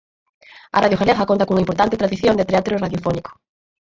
A Radio Galega conta cunha importante tradición de teatro radiofónico.